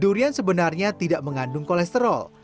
durian sebenarnya tidak mengandung kolesterol